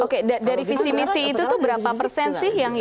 oke dari visi visi itu berapa persen sih yang